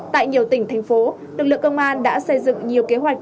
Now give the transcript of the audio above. tại nhiều tỉnh thành phố lực lượng công an đã xây dựng nhiều kế hoạch